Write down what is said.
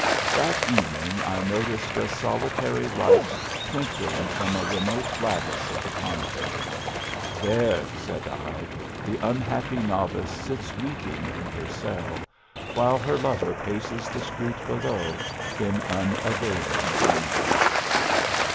That evening I noticed a solitary light twinkling from a remote lattice of the convent. Thfine, said L, the unhappy novice sits weeping in her cell, while hef lover paces the street below in unavailing anguish.